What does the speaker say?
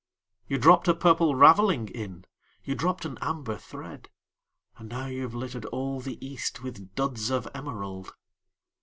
You dropped a Purple Ravelling in You dropped an Amber thread And now you've littered all the east With Duds of Emerald!